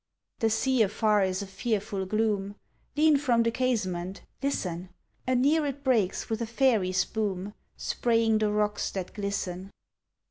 The sea afar is a fearful gloom; Lean from the casement, listen! Anear it breaks with a faery spume, Spraying the rocks that glisten.